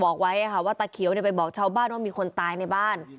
บอกไว้ว่าตาเขียวไปบอกชาวบ้านว่ามีคนตายในบ้าน